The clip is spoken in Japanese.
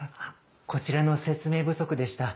こちらの説明不足でした。